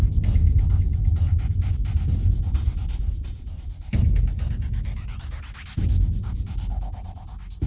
ติดตามต่อไป